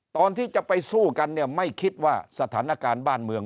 ตอนที่จะไปสู้กันเนี่ยไม่คิดว่าสถานการณ์บ้านเมือง